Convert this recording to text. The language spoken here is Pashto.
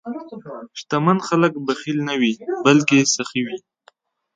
شتمن خلک بخیل نه وي، بلکې سخي وي.